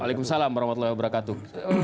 waalaikumsalam warahmatullahi wabarakatuh